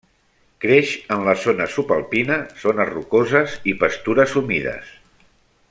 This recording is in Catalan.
Creix en la zona subalpina, zones rocoses i pastures humides.